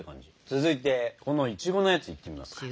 続いてこのいちごのやついってみますか。